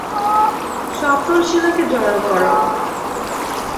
সকল সেনাকে জড়ো করো!